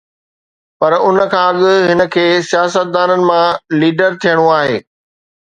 پر ان کان اڳ هن کي سياستدان مان ليڊر ٿيڻو آهي.